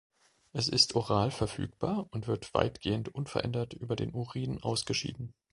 Es ist oral verfügbar und wird weitgehend unverändert über den Urin ausgeschieden.